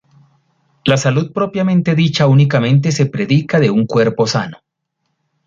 La salud propiamente dicha únicamente se predica de un cuerpo sano.